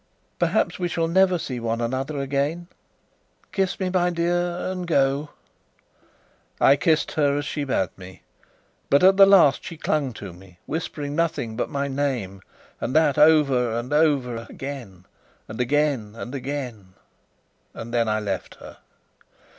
"Perhaps we shall never see one another again. Kiss me, my dear, and go!" I kissed her as she bade me; but at the last she clung to me, whispering nothing but my name, and that over and over again and again and again; and then I left her.